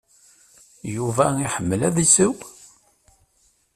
Yuba iḥemmel ad yesseww?